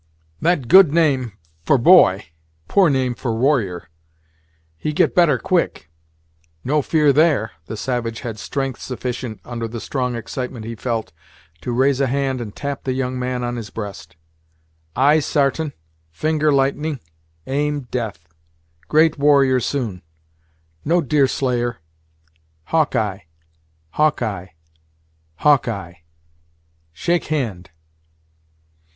"That good name for boy poor name for warrior. He get better quick. No fear there," the savage had strength sufficient, under the strong excitement he felt, to raise a hand and tap the young man on his breast, "eye sartain finger lightning aim, death great warrior soon. No Deerslayer Hawkeye Hawkeye Hawkeye. Shake hand."